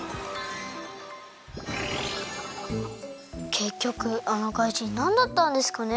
けっきょくあのかいじんなんだったんですかね？